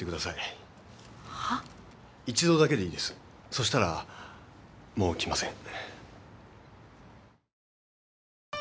そしたらもう来ません。